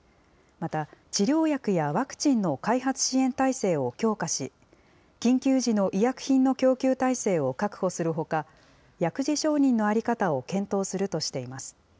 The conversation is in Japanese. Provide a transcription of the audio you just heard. また、治療薬やワクチンの開発支援体制を強化し、緊急時の医薬品の供給体制を確保するほか、薬事承認の在り方を検討するとしています。